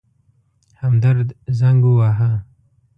همدرد زنګ وواهه.